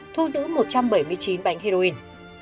thu giữ một trăm bảy mươi chín bánh heroin